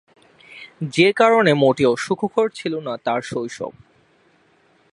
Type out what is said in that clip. যে কারণে মোটেও সুখকর ছিল না তার শৈশব।